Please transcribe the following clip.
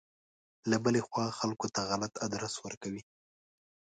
له بلې خوا خلکو ته غلط ادرس ورکوي.